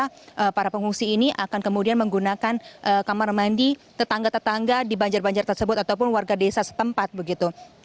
karena para pengungsi ini akan kemudian menggunakan kamar mandi tetangga tetangga di banjar banjar tersebut ataupun warga desa setempat begitu